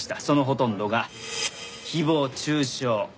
そのほとんどが誹謗中傷。